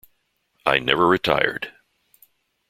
I never retired.